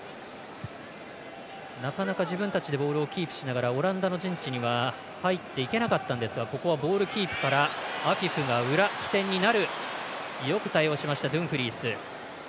なかなか自分たちでボールをキープしながらオランダの陣地には入っていけなかったんですがここはボールキープからアフィフが起点になる。